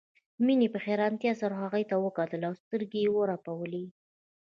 مينې په حيرانتيا سره هغوی ته وکتل او سترګې يې ورپولې